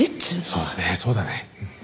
そうだねそうだね。